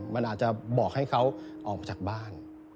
มันอาจจะบอกให้เขาออกมาจากบ้าน